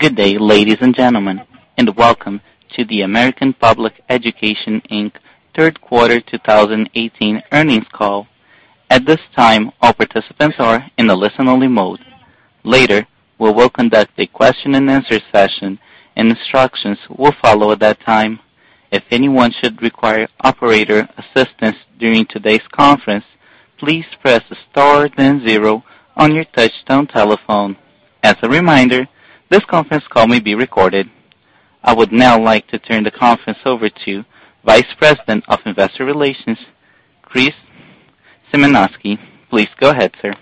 Good day, ladies and gentlemen, and welcome to the American Public Education, Inc. Third Quarter 2018 earnings call. At this time, all participants are in a listen-only mode. Later, we will conduct a question and answer session, and instructions will follow at that time. If anyone should require operator assistance during today's conference, please press star then zero on your touchtone telephone. As a reminder, this conference call may be recorded. I would now like to turn the conference over to Vice President of Investor Relations, Chris Symanoskie. Please go ahead, sir.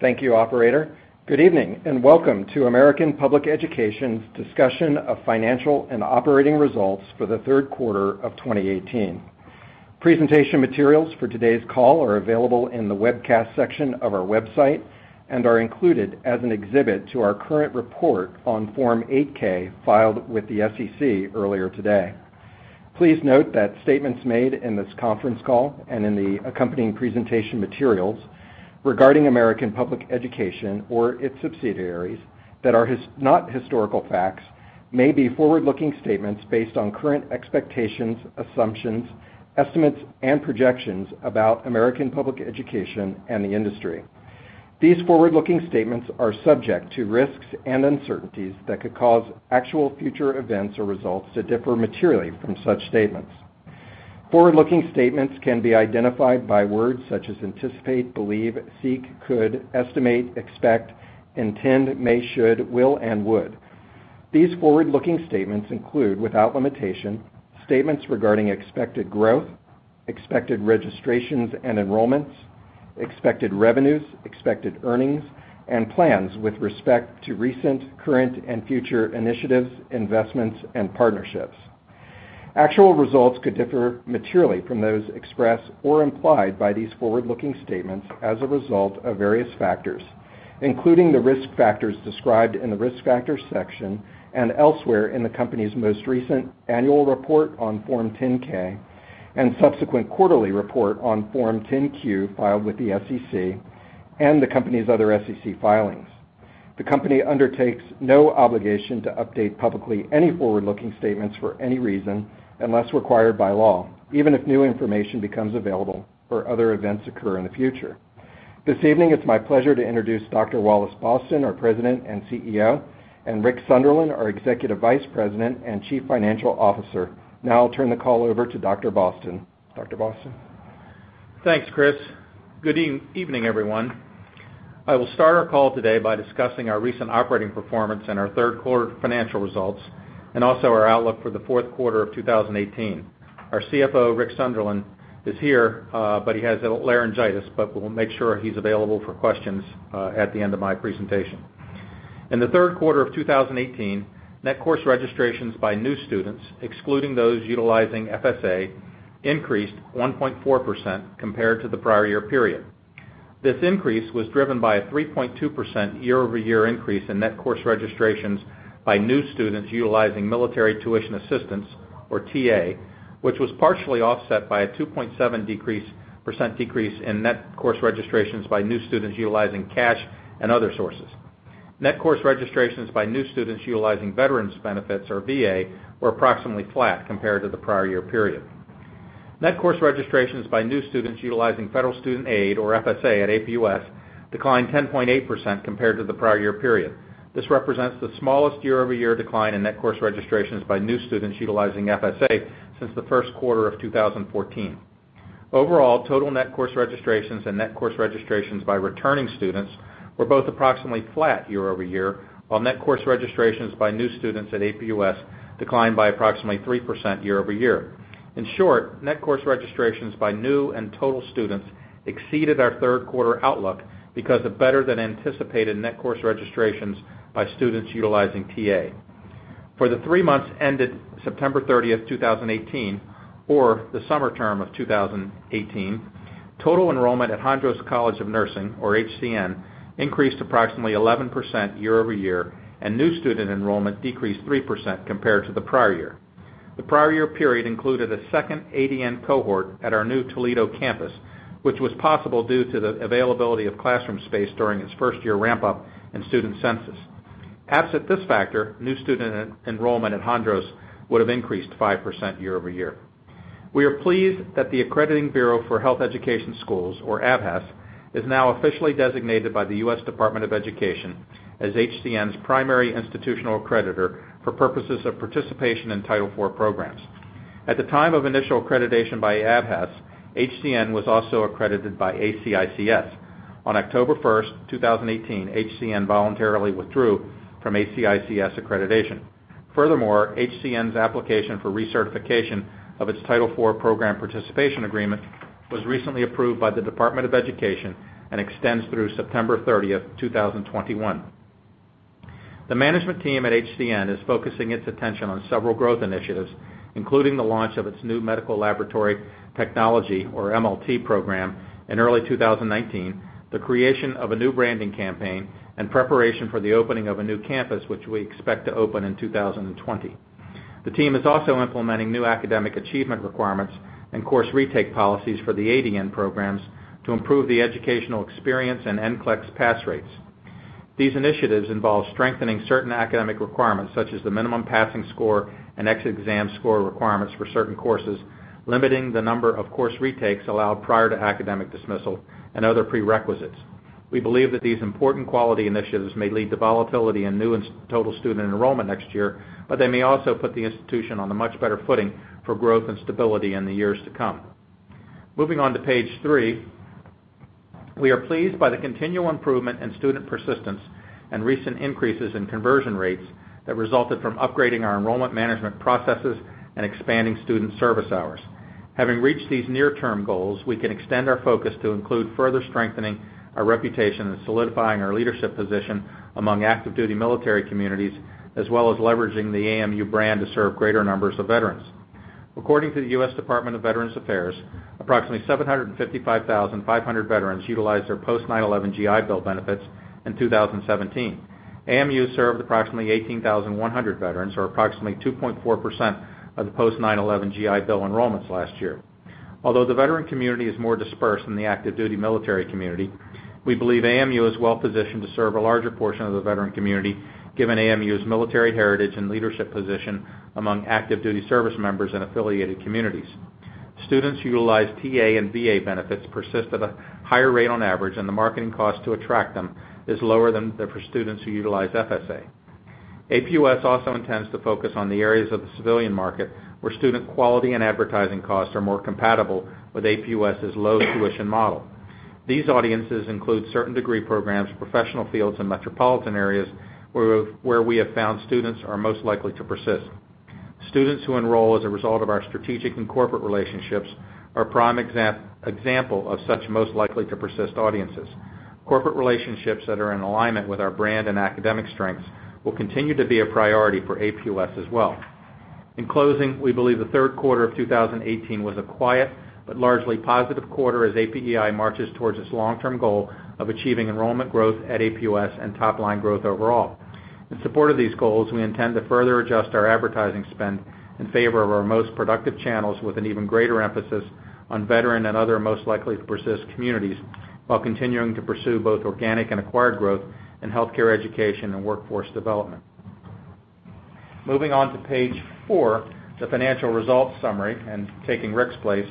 Thank you, operator. Good evening, and welcome to American Public Education's discussion of financial and operating results for the third quarter of 2018. Presentation materials for today's call are available in the webcast section of our website and are included as an exhibit to our current report on Form 8-K filed with the SEC earlier today. Please note that statements made in this conference call and in the accompanying presentation materials regarding American Public Education or its subsidiaries that are not historical facts may be forward-looking statements based on current expectations, assumptions, estimates, and projections about American Public Education and the industry. These forward-looking statements are subject to risks and uncertainties that could cause actual future events or results to differ materially from such statements. Forward-looking statements can be identified by words such as anticipate, believe, seek, could, estimate, expect, intend, may, should, will, and would. These forward-looking statements include, without limitation, statements regarding expected growth, expected registrations and enrollments, expected revenues, expected earnings, and plans with respect to recent, current, and future initiatives, investments, and partnerships. Actual results could differ materially from those expressed or implied by these forward-looking statements as a result of various factors, including the risk factors described in the Risk Factors section and elsewhere in the company's most recent annual report on Form 10-K and subsequent quarterly report on Form 10-Q filed with the SEC and the company's other SEC filings. The company undertakes no obligation to update publicly any forward-looking statements for any reason, unless required by law, even if new information becomes available or other events occur in the future. This evening, it's my pleasure to introduce Dr. Wallace Boston, our President and CEO, and Rick Sunderland, our Executive Vice President and Chief Financial Officer. Now I'll turn the call over to Dr. Boston. Dr. Boston? Thanks, Chris. Good evening, everyone. I will start our call today by discussing our recent operating performance and our third-quarter financial results, and also our outlook for the fourth quarter of 2018. Our CFO, Rick Sunderland, is here, but he has laryngitis. We'll make sure he's available for questions at the end of my presentation. In the third quarter of 2018, net course registrations by new students, excluding those utilizing FSA, increased 1.4% compared to the prior year period. This increase was driven by a 3.2% year-over-year increase in net course registrations by new students utilizing Military Tuition Assistance, or TA, which was partially offset by a 2.7% decrease in net course registrations by new students utilizing cash and other sources. Net course registrations by new students utilizing Veterans Benefits, or VA, were approximately flat compared to the prior year period. Net course registrations by new students utilizing Federal Student Aid, or FSA, at APUS declined 10.8% compared to the prior year period. This represents the smallest year-over-year decline in net course registrations by new students utilizing FSA since the first quarter of 2014. Overall, total net course registrations and net course registrations by returning students were both approximately flat year-over-year, while net course registrations by new students at APUS declined by approximately 3% year-over-year. In short, net course registrations by new and total students exceeded our third-quarter outlook because of better-than-anticipated net course registrations by students utilizing TA. For the three months ended September 30, 2018, or the summer term of 2018, total enrollment at Hondros College of Nursing, or HCN, increased approximately 11% year-over-year, and new student enrollment decreased 3% compared to the prior year. The prior year period included a second ADN cohort at our new Toledo campus, which was possible due to the availability of classroom space during its first-year ramp-up and student census. Absent this factor, new student enrollment at Hondros would have increased 5% year-over-year. We are pleased that the Accrediting Bureau of Health Education Schools, or ABHES, is now officially designated by the U.S. Department of Education as HCN's primary institutional accreditor for purposes of participation in Title IV programs. At the time of initial accreditation by ABHES, HCN was also accredited by ACICS. On October 1, 2018, HCN voluntarily withdrew from ACICS accreditation. Furthermore, HCN's application for recertification of its Title IV program participation agreement was recently approved by the Department of Education and extends through September 30, 2021. The management team at HCN is focusing its attention on several growth initiatives, including the launch of its new Medical Laboratory Technology, or MLT program, in early 2019, the creation of a new branding campaign, and preparation for the opening of a new campus, which we expect to open in 2020. The team is also implementing new academic achievement requirements and course retake policies for the ADN programs to improve the educational experience and NCLEX pass rates. These initiatives involve strengthening certain academic requirements, such as the minimum passing score and exit exam score requirements for certain courses, limiting the number of course retakes allowed prior to academic dismissal, and other prerequisites. We believe that these important quality initiatives may lead to volatility in new and total student enrollment next year, but they may also put the institution on a much better footing for growth and stability in the years to come. Moving on to page three, we are pleased by the continual improvement in student persistence and recent increases in conversion rates that resulted from upgrading our enrollment management processes and expanding student service hours. Having reached these near-term goals, we can extend our focus to include further strengthening our reputation and solidifying our leadership position among active-duty military communities, as well as leveraging the AMU brand to serve greater numbers of veterans. According to the U.S. Department of Veterans Affairs, approximately 755,500 veterans utilized their Post-9/11 GI Bill benefits in 2017. AMU served approximately 18,100 veterans, or approximately 2.4% of the Post-9/11 GI Bill enrollments last year. Although the veteran community is more dispersed than the active-duty military community, we believe AMU is well-positioned to serve a larger portion of the veteran community, given AMU's military heritage and leadership position among active-duty service members and affiliated communities. Students who utilize TA and VA benefits persist at a higher rate on average, and the marketing cost to attract them is lower than for students who utilize FSA. APUS also intends to focus on the areas of the civilian market where student quality and advertising costs are more compatible with APUS's low-tuition model. These audiences include certain degree programs, professional fields, and metropolitan areas where we have found students are most likely to persist. Students who enroll as a result of our strategic and corporate relationships are a prime example of such most-likely-to-persist audiences. Corporate relationships that are in alignment with our brand and academic strengths will continue to be a priority for APUS as well. In closing, we believe the third quarter of 2018 was a quiet but largely positive quarter as APEI marches towards its long-term goal of achieving enrollment growth at APUS and top-line growth overall. In support of these goals, we intend to further adjust our advertising spend in favor of our most productive channels with an even greater emphasis on veteran and other most-likely-to-persist communities, while continuing to pursue both organic and acquired growth in healthcare education and workforce development. Moving on to page four, the financial results summary, and taking Rick's place.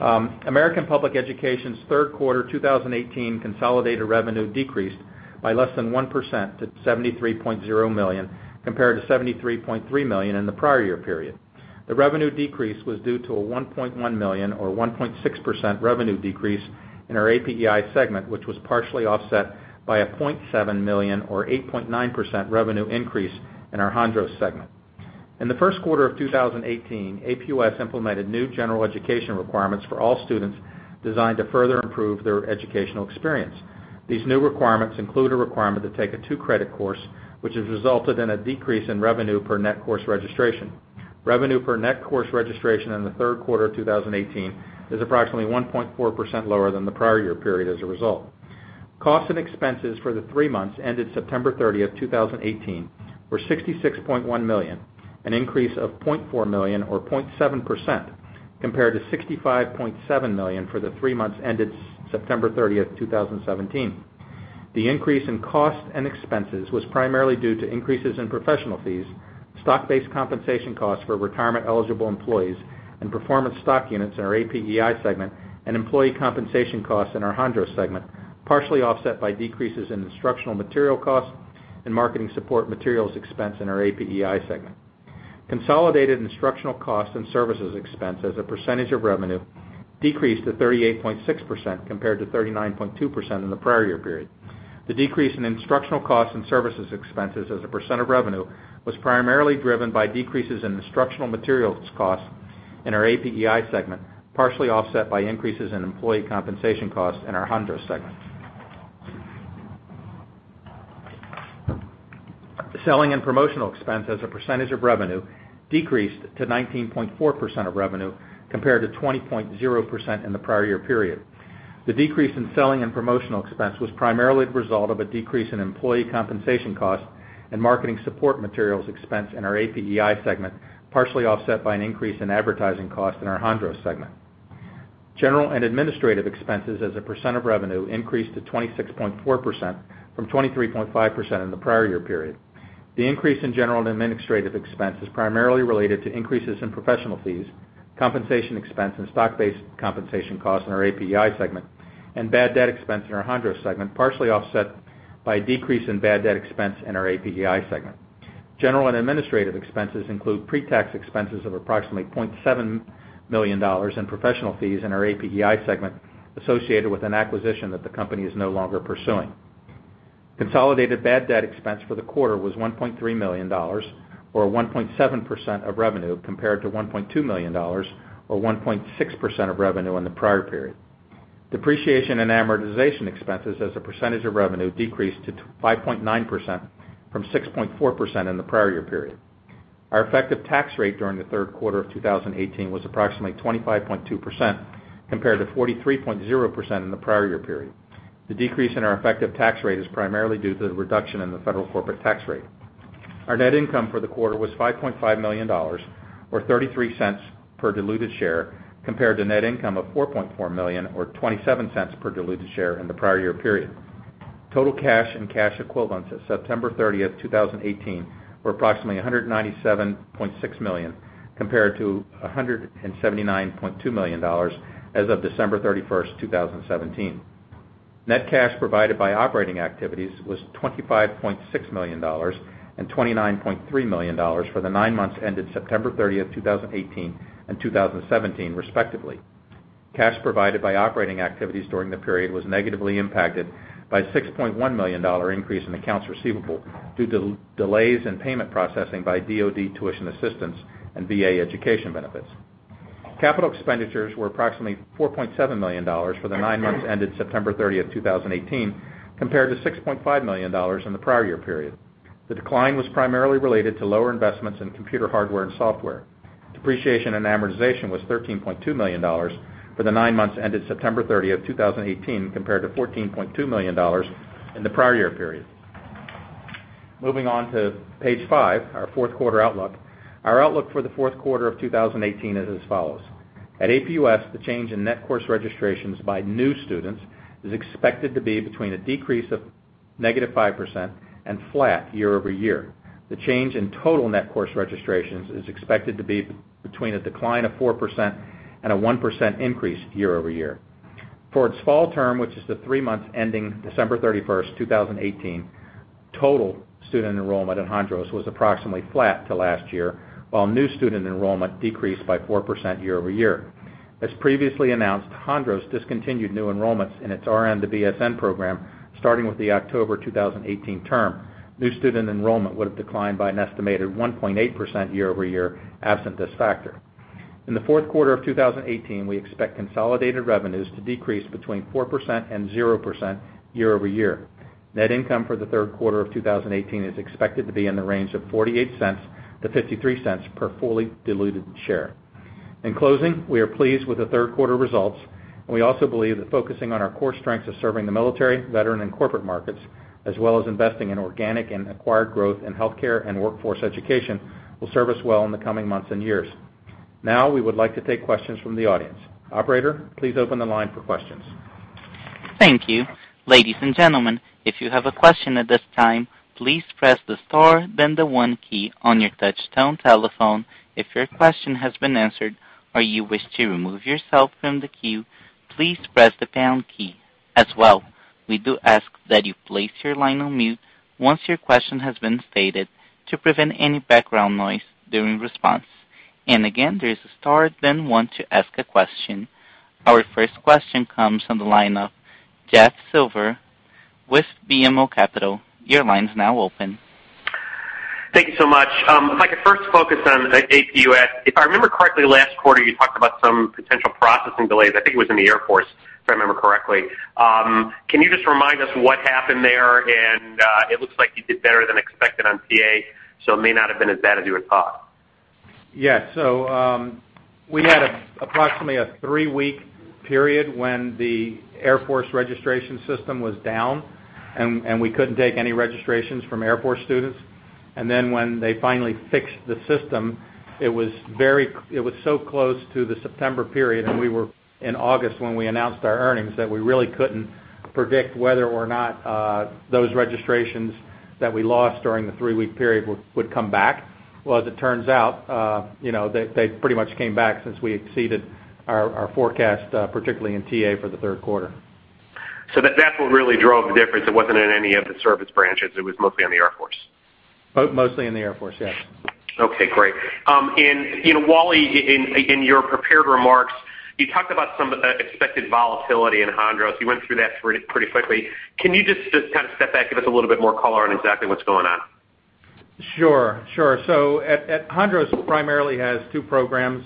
American Public Education's third quarter 2018 consolidated revenue decreased by less than 1% to $73.0 million, compared to $73.3 million in the prior year period. The revenue decrease was due to a $1.1 million, or 1.6% revenue decrease in our APEI segment, which was partially offset by a $0.7 million, or 8.9% revenue increase in our Hondros segment. In the first quarter of 2018, APUS implemented new general education requirements for all students designed to further improve their educational experience. These new requirements include a requirement to take a two-credit course, which has resulted in a decrease in revenue per net course registration. Revenue per net course registration in the third quarter of 2018 is approximately 1.4% lower than the prior year period as a result. Costs and expenses for the three months ended September 30th, 2018, were $66.1 million, an increase of $0.4 million, or 0.7%, compared to $65.7 million for the three months ended September 30th, 2017. The increase in cost and expenses was primarily due to increases in professional fees, stock-based compensation costs for retirement-eligible employees, and performance stock units in our APEI segment, and employee compensation costs in our Hondros segment, partially offset by decreases in instructional material costs and marketing support materials expense in our APEI segment. Consolidated instructional costs and services expense as a percentage of revenue decreased to 38.6% compared to 39.2% in the prior year period. The decrease in instructional costs and services expenses as a percent of revenue was primarily driven by decreases in instructional materials costs in our APEI segment, partially offset by increases in employee compensation costs in our Hondros segment. Selling and promotional expense as a percentage of revenue decreased to 19.4% of revenue, compared to 20.0% in the prior year period. The decrease in selling and promotional expense was primarily the result of a decrease in employee compensation cost and marketing support materials expense in our APEI segment, partially offset by an increase in advertising cost in our Hondros segment. General and administrative expenses as a percent of revenue increased to 26.4% from 23.5% in the prior year period. The increase in general and administrative expense is primarily related to increases in professional fees, compensation expense, and stock-based compensation costs in our APEI segment, and bad debt expense in our Hondros segment, partially offset by a decrease in bad debt expense in our APEI segment. General and administrative expenses include pre-tax expenses of approximately $0.7 million in professional fees in our APEI segment associated with an acquisition that the company is no longer pursuing. Consolidated bad debt expense for the quarter was $1.3 million, or 1.7% of revenue, compared to $1.2 million, or 1.6% of revenue in the prior period. Depreciation and amortization expenses as a percentage of revenue decreased to 5.9% from 6.4% in the prior year period. Our effective tax rate during the third quarter of 2018 was approximately 25.2% compared to 43.0% in the prior year period. The decrease in our effective tax rate is primarily due to the reduction in the federal corporate tax rate. Our net income for the quarter was $5.5 million, or $0.33 per diluted share, compared to net income of $4.4 million or $0.27 per diluted share in the prior year period. Total cash and cash equivalents as of September 30th, 2018, were approximately $197.6 million, compared to $179.2 million as of December 31st, 2017. Net cash provided by operating activities was $25.6 million and $29.3 million for the nine months ended September 30th, 2018, and 2017, respectively. Cash provided by operating activities during the period was negatively impacted by a $6.1 million increase in accounts receivable due to delays in payment processing by DoD tuition assistance and VA education benefits. Capital expenditures were approximately $4.7 million for the nine months ended September 30th, 2018, compared to $6.5 million in the prior year period. The decline was primarily related to lower investments in computer hardware and software. Depreciation and amortization was $13.2 million for the nine months ended September 30th, 2018, compared to $14.2 million in the prior year period. Moving on to page five, our fourth quarter outlook. Our outlook for the fourth quarter of 2018 is as follows. At APUS, the change in net course registrations by new students is expected to be between a decrease of -5% and flat year-over-year. The change in total net course registrations is expected to be between a decline of 4% and a 1% increase year-over-year. For its fall term, which is the three months ending December 31st, 2018, total student enrollment in Hondros was approximately flat to last year, while new student enrollment decreased by 4% year-over-year. As previously announced, Hondros discontinued new enrollments in its RN to BSN program starting with the October 2018 term. New student enrollment would have declined by an estimated 1.8% year-over-year absent this factor. In the fourth quarter of 2018, we expect consolidated revenues to decrease between 4% and 0% year-over-year. Net income for the third quarter of 2018 is expected to be in the range of $0.48 to $0.53 per fully diluted share. In closing, we are pleased with the third quarter results. We also believe that focusing on our core strengths of serving the military, veteran, and corporate markets, as well as investing in organic and acquired growth in healthcare and workforce education, will serve us well in the coming months and years. We would like to take questions from the audience. Operator, please open the line for questions. Thank you. Ladies and gentlemen, if you have a question at this time, please press the star, then the one key on your touchtone telephone. If your question has been answered or you wish to remove yourself from the queue, please press the pound key. As well, we do ask that you place your line on mute once your question has been stated to prevent any background noise during response. Again, there is star then one to ask a question. Our first question comes on the line of Jeff Silber with BMO Capital Markets. Your line is now open. Thank you so much. If I could first focus on APUS. If I remember correctly, last quarter you talked about some potential processing delays. I think it was in the Air Force, if I remember correctly. Can you just remind us what happened there? It looks like you did better than expected on TA, so it may not have been as bad as you had thought. We had approximately a three-week period when the Air Force registration system was down, and we couldn't take any registrations from Air Force students. When they finally fixed the system, it was so close to the September period, and we were in August when we announced our earnings, that we really couldn't predict whether or not those registrations that we lost during the three-week period would come back. Well, as it turns out they pretty much came back since we exceeded our forecast, particularly in TA for the third quarter. That's what really drove the difference. It wasn't in any of the service branches. It was mostly on the Air Force. Mostly in the Air Force, yes. Okay, great. Wally, in your prepared remarks, you talked about some expected volatility in Hondros. You went through that pretty quickly. Can you just kind of step back, give us a little bit more color on exactly what's going on? Sure. Hondros primarily has two programs.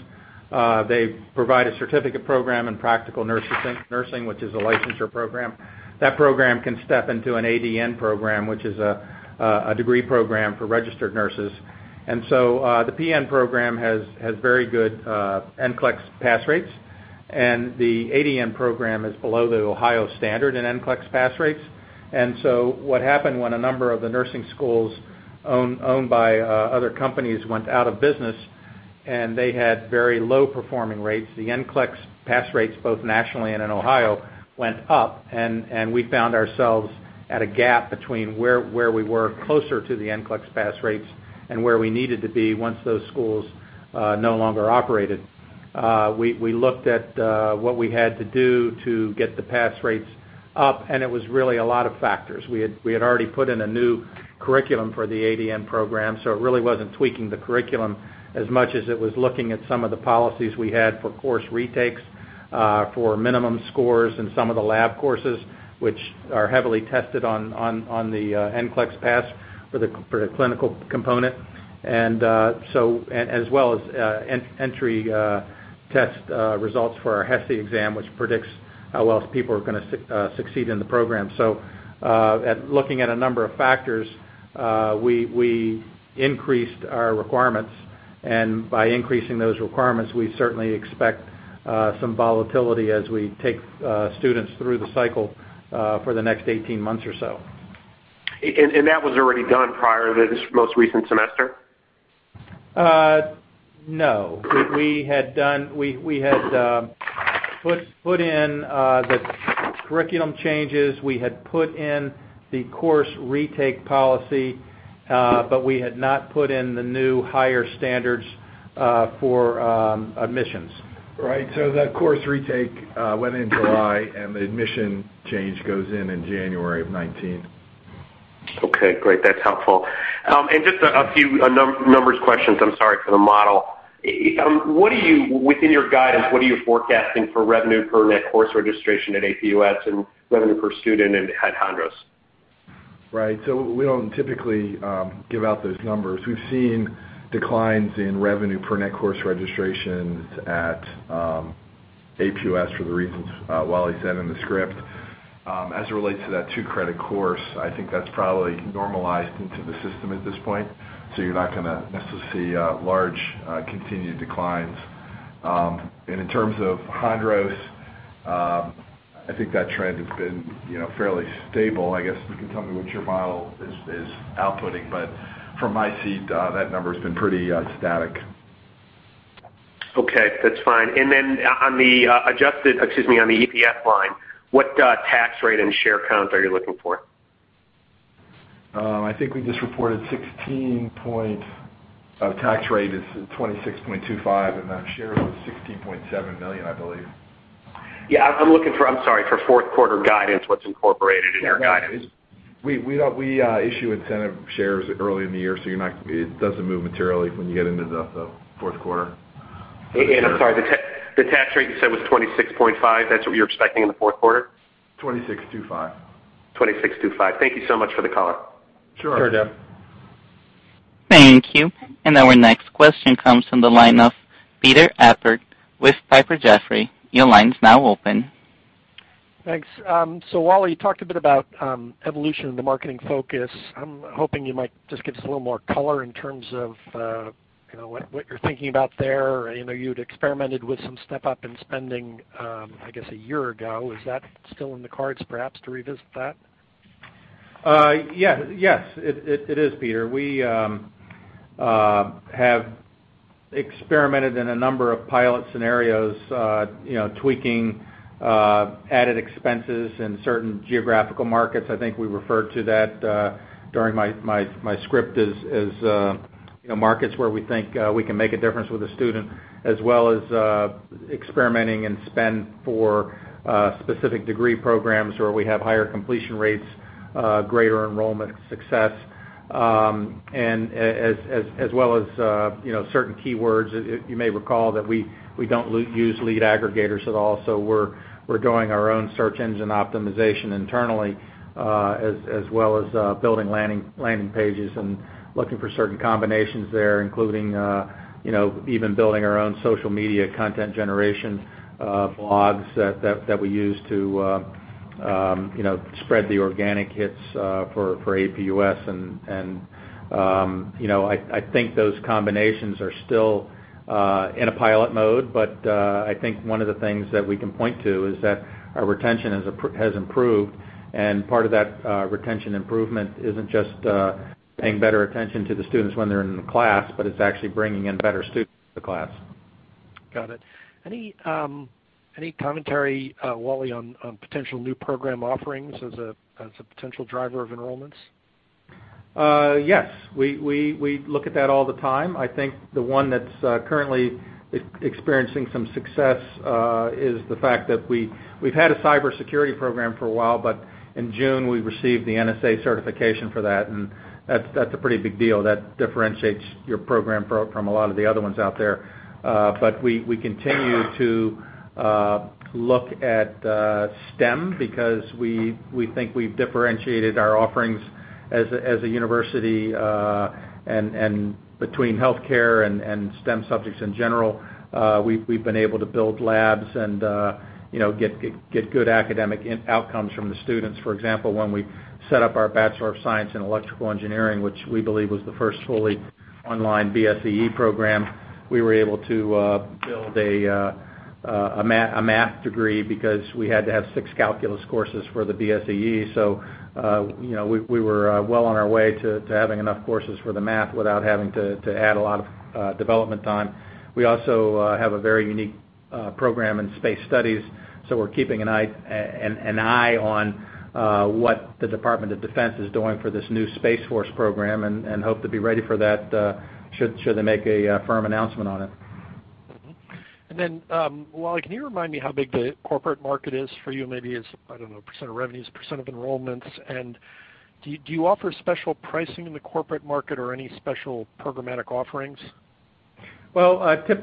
They provide a certificate program in practical nursing, which is a licensure program. That program can step into an ADN program, which is a degree program for registered nurses. The PN program has very good NCLEX pass rates, and the ADN program is below the Ohio standard in NCLEX pass rates. What happened when a number of the nursing schools owned by other companies went out of business, and they had very low performing rates, the NCLEX pass rates, both nationally and in Ohio, went up, and we found ourselves at a gap between where we were closer to the NCLEX pass rates and where we needed to be once those schools no longer operated. We looked at what we had to do to get the pass rates up, and it was really a lot of factors. We had already put in a new curriculum for the ADN program, so it really wasn't tweaking the curriculum as much as it was looking at some of the policies we had for course retakes for minimum scores in some of the lab courses, which are heavily tested on the NCLEX pass for the clinical component. As well as entry test results for our HESI exam, which predicts how well people are going to succeed in the program. Looking at a number of factors, we increased our requirements. By increasing those requirements, we certainly expect some volatility as we take students through the cycle for the next 18 months or so. That was already done prior to this most recent semester? No. We had put in the curriculum changes, we had put in the course retake policy. We had not put in the new higher standards for admissions. Right. That course retake went in July, and the admission change goes in January of 2019. Okay, great. That's helpful. Just a few numbers questions, I'm sorry, for the model. Within your guidance, what are you forecasting for revenue per net course registration at APUS and revenue per student at Hondros? Right. We don't typically give out those numbers. We've seen declines in revenue per net course registrations at APUS for the reasons Wally said in the script. As it relates to that two-credit course, I think that's probably normalized into the system at this point. You're not going to necessarily see large, continued declines. In terms of Hondros, I think that trend has been fairly stable. I guess you can tell me what your model is outputting, but from my seat, that number's been pretty static. Okay, that's fine. Then on the EPS line, what tax rate and share count are you looking for? I think we just reported. Our tax rate is 26.25, and our share was $16.7 million, I believe. Yeah. I'm looking for, I'm sorry, for fourth quarter guidance, what's incorporated in your guidance? We issue incentive shares early in the year, it doesn't move materially when you get into the fourth quarter. I'm sorry. The tax rate you said was 26.5. That's what you're expecting in the fourth quarter? 26.25. Thank you so much for the color. Sure. Sure, Deb. Thank you. Our next question comes from the line of Peter Appert with Piper Jaffray. Your line's now open. Thanks. Wally, you talked a bit about evolution of the marketing focus. I'm hoping you might just give us a little more color in terms of what you're thinking about there. I know you'd experimented with some step-up in spending, I guess, a year ago. Is that still in the cards, perhaps, to revisit that? Yes, it is, Peter. We have experimented in a number of pilot scenarios tweaking added expenses in certain geographical markets. I think we referred to that during my script as markets where we think we can make a difference with a student, as well as experimenting in spend for specific degree programs where we have higher completion rates, greater enrollment success, as well as certain keywords. You may recall that we don't use lead aggregators at all. We're doing our own search engine optimization internally as well as building landing pages and looking for certain combinations there, including even building our own social media content generation blogs that we use to spread the organic hits for APUS and I think those combinations are still in a pilot mode. I think one of the things that we can point to is that our retention has improved, and part of that retention improvement isn't just paying better attention to the students when they're in the class, but it's actually bringing in better students to the class. Got it. Any commentary, Wally, on potential new program offerings as a potential driver of enrollments? Yes. We look at that all the time. I think the one that's currently experiencing some success is the fact that we've had a cybersecurity program for a while, in June, we received the NSA certification for that, and that's a pretty big deal. That differentiates your program from a lot of the other ones out there. We continue to look at STEM because we think we've differentiated our offerings as a university. Between healthcare and STEM subjects in general, we've been able to build labs and get good academic outcomes from the students. For example, when we set up our Bachelor of Science in Electrical Engineering, which we believe was the first fully online BSEE program, we were able to build a math degree because we had to have six calculus courses for the BSEE. We were well on our way to having enough courses for the math without having to add a lot of development time. We also have a very unique program in space studies, so we are keeping an eye on what the Department of Defense is doing for this new Space Force program and hope to be ready for that should they make a firm announcement on it. Wally, can you remind me how big the corporate market is for you? Maybe as, I don't know, percent of revenues, percent of enrollments. Do you offer special pricing in the corporate market or any special programmatic offerings?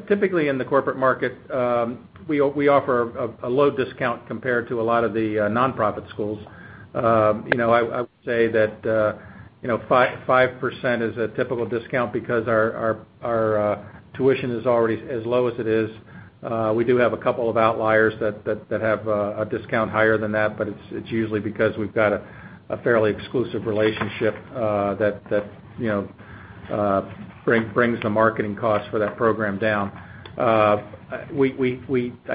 Typically in the corporate market we offer a low discount compared to a lot of the nonprofit schools. I would say that 5% is a typical discount because our tuition is already as low as it is. We do have a couple of outliers that have a discount higher than that, but it is usually because we have got a fairly exclusive relationship that brings the marketing cost for that program down. I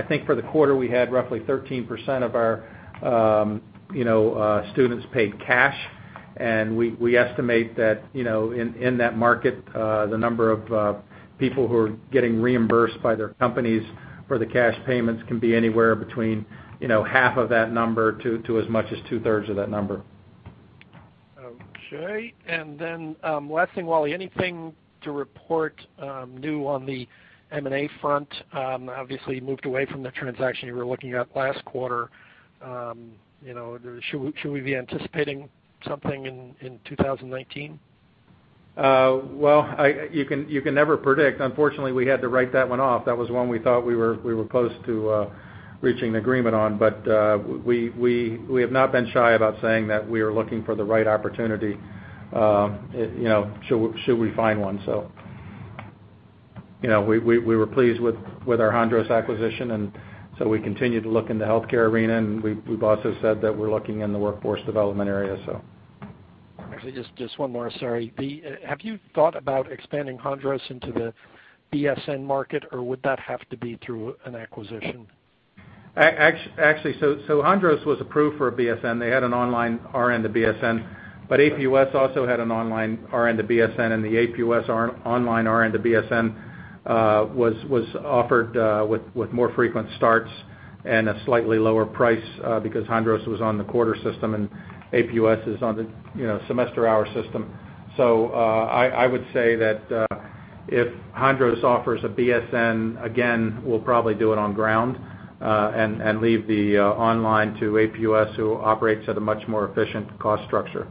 think for the quarter, we had roughly 13% of our students paid cash, and we estimate that in that market, the number of people who are getting reimbursed by their companies for the cash payments can be anywhere between half of that number to as much as two-thirds of that number. Okay. Last thing, Wally, anything to report new on the M&A front? Obviously, you moved away from the transaction you were looking at last quarter. Should we be anticipating something in 2019? Well, you can never predict. Unfortunately, we had to write that one off. That was one we thought we were close to reaching an agreement on. We have not been shy about saying that we are looking for the right opportunity should we find one. We were pleased with our Hondros acquisition, we continue to look in the healthcare arena, and we've also said that we're looking in the workforce development area. Actually, just one more, sorry. Have you thought about expanding Hondros into the BSN market, or would that have to be through an acquisition? Actually, Hondros was approved for a BSN. They had an online RN to BSN, APUS also had an online RN to BSN, the APUS online RN to BSN was offered with more frequent starts and a slightly lower price, because Hondros was on the quarter system and APUS is on the semester hour system. I would say that if Hondros offers a BSN, again, we'll probably do it on ground, and leave the online to APUS, who operates at a much more efficient cost structure.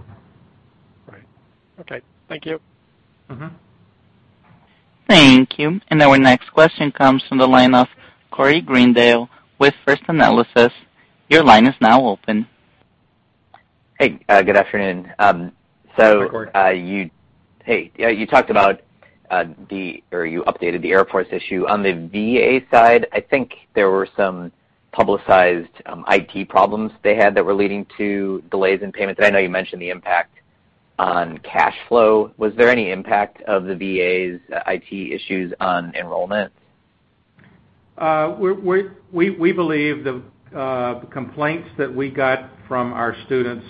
Right. Okay. Thank you. Thank you. Our next question comes from the line of Corey Greendale with First Analysis. Your line is now open. Hey, good afternoon. Hi, Corey. Hey. You talked about, or you updated the Air Force issue. On the VA side, I think there were some publicized IT problems they had that were leading to delays in payments, and I know you mentioned the impact on cash flow. Was there any impact of the VA's IT issues on enrollment? We believe the complaints that we got from our students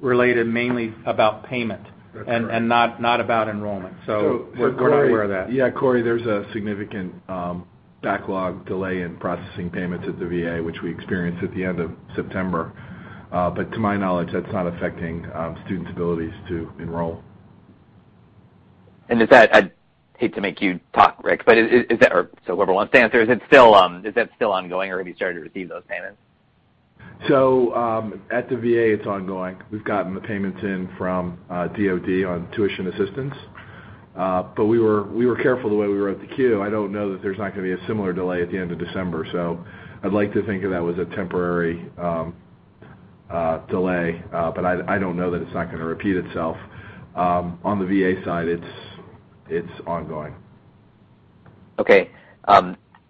related mainly about payment. That's right Not about enrollment. We're aware of that. Yeah, Corey, there's a significant backlog delay in processing payments at the VA, which we experienced at the end of September. To my knowledge, that's not affecting students' abilities to enroll. I'd hate to make you talk, Rick, whoever wants to answer, is that still ongoing, or have you started to receive those payments? At the VA, it's ongoing. We've gotten the payments in from DoD on tuition assistance. We were careful the way we wrote the Form 10-Q. I don't know that there's not going to be a similar delay at the end of December. I'd like to think of that was a temporary delay, I don't know that it's not going to repeat itself. On the VA side, it's ongoing. Okay.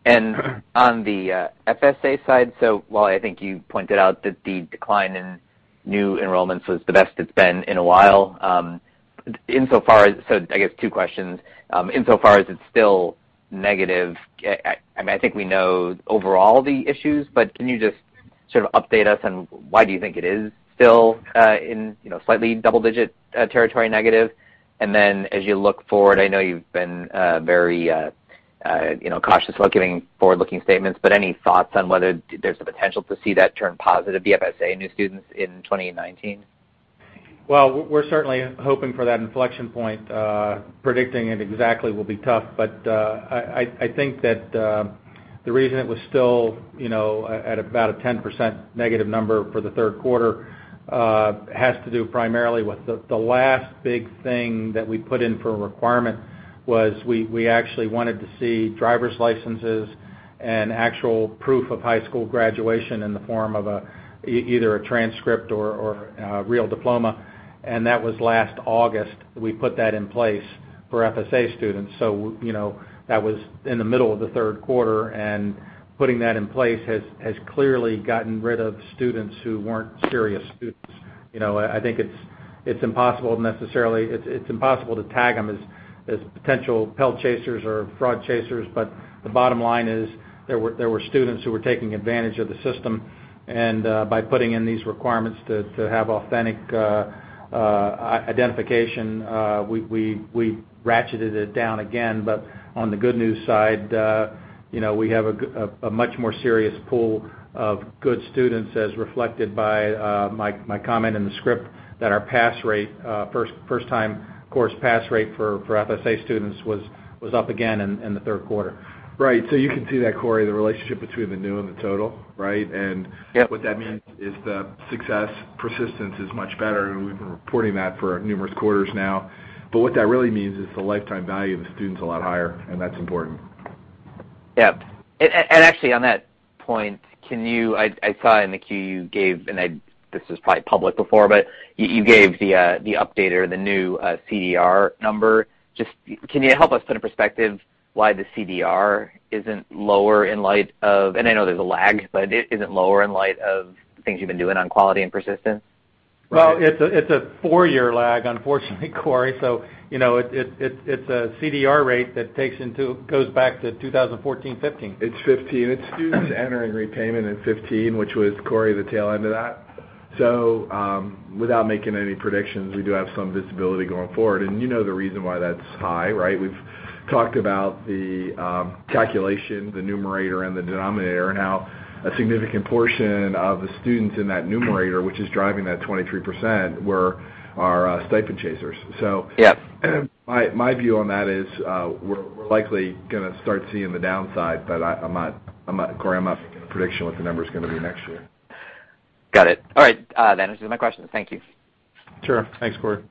On the FSA side, while I think you pointed out that the decline in new enrollments was the best it's been in a while, I guess two questions. Insofar as it's still negative, I think we know overall the issues, can you just sort of update us on why do you think it is still in slightly double-digit territory negative? As you look forward, I know you've been very cautious about giving forward-looking statements, any thoughts on whether there's the potential to see that turn positive, the FSA new students in 2019? We're certainly hoping for that inflection point. Predicting it exactly will be tough, I think that the reason it was still at about a 10% negative number for the third quarter, has to do primarily with the last big thing that we put in for a requirement was we actually wanted to see driver's licenses and actual proof of high school graduation in the form of either a transcript or a real diploma, that was last August we put that in place for FSA students. That was in the middle of the third quarter, putting that in place has clearly gotten rid of students who weren't serious students. I think it's impossible to tag them as potential Pell chasers or fraud chasers. The bottom line is, there were students who were taking advantage of the system, and by putting in these requirements to have authentic identification, we ratcheted it down again. On the good news side, we have a much more serious pool of good students as reflected by my comment in the script that our pass rate, first time course pass rate for FSA students was up again in the third quarter. Right. You can see that, Corey, the relationship between the new and the total, right? Yeah. What that means is the success persistence is much better, and we've been reporting that for numerous quarters now. What that really means is the lifetime value of a student's a lot higher, and that's important. Yeah. Actually on that point. I saw in the Form 10-Q you gave, and this was probably public before, you gave the update or the new CDR number. Just can you help us put in perspective why the CDR isn't lower in light of, and I know there's a lag, it isn't lower in light of things you've been doing on quality and persistence? It's a four-year lag, unfortunately, Corey. It's a CDR rate that goes back to 2014-2015. It's 2015. It's students entering repayment in 2015, which was, Corey, the tail end of that. Without making any predictions, we do have some visibility going forward. You know the reason why that's high, right? We've talked about the calculation, the numerator, and the denominator, and how a significant portion of the students in that numerator, which is driving that 23%, were our stipend chasers. Yeah. My view on that is, we're likely gonna start seeing the downside, but, Corey, I'm not making a prediction what the number's gonna be next year. Got it. All right. That answers my question. Thank you. Sure. Thanks, Corey.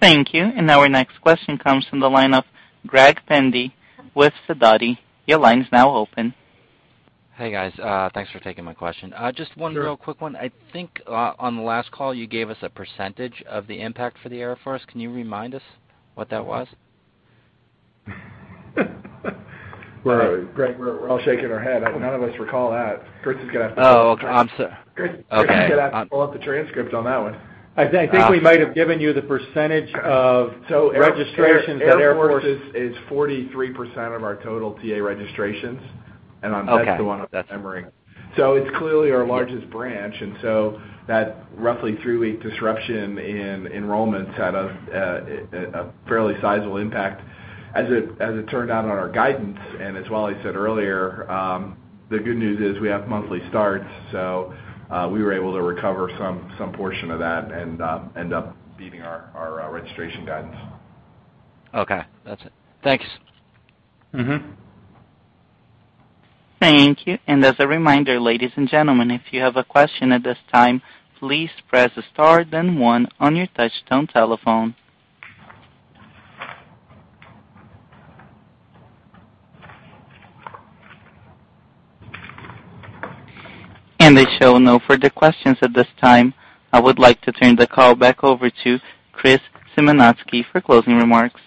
Thank you. Now our next question comes from the line of Greg Pendy with Sidoti. Your line's now open. Hey, guys. Thanks for taking my question. Sure. Just one real quick one. I think on the last call, you gave us a percentage of the impact for the Air Force. Can you remind us what that was? Greg, we're all shaking our head. None of us recall that. Chris is gonna have to. Oh, okay. Chris, you're gonna have to pull up the transcript on that one. I think we might have given you the percentage of registrations at Air Force. Air Force is 43% of our total TA registrations, and that's the one I'm remembering. Okay. It's clearly our largest branch. That roughly three-week disruption in enrollments had a fairly sizable impact. As it turned out on our guidance, as Wally said earlier, the good news is we have monthly starts. We were able to recover some portion of that and end up beating our registration guidance. Okay. That's it. Thanks. Thank you. As a reminder, ladies and gentlemen, if you have a question at this time, please press star 1 on your touchtone telephone. I show no further questions at this time. I would like to turn the call back over to Chris Symanoskie for closing remarks.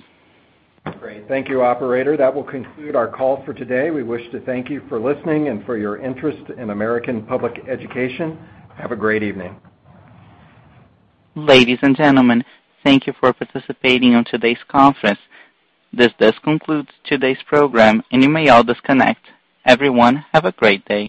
Great. Thank you, operator. That will conclude our call for today. We wish to thank you for listening and for your interest in American Public Education. Have a great evening. Ladies and gentlemen, thank you for participating in today's conference. This does conclude today's program, and you may all disconnect. Everyone, have a great day.